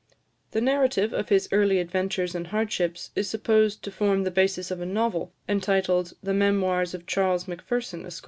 The narrative of his early adventures and hardships is supposed to form the basis of a novel, entitled "The Memoirs of Charles Macpherson, Esq.